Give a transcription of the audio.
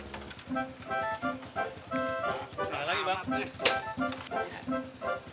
selalu lagi bang